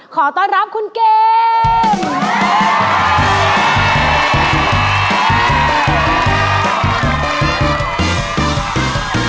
ขอต้อนรับคุณเกม